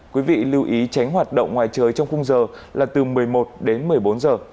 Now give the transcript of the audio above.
quý vị lưu ý tránh hoạt động ngoài trời trong khung giờ là từ một mươi một đến một mươi bốn giờ